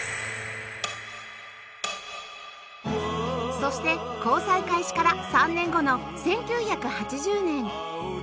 そして交際開始から３年後の１９８０年